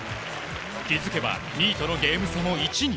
気づけば２位とのゲーム差も１に。